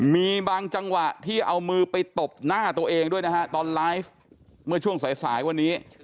มีบางจังหวะที่เอามือไปตบหน้าตัวเองด้วยนะฮะตอนไลฟ์เมื่อช่วงสายสายวันนี้